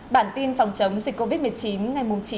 bản tin phòng chống dịch covid một mươi chín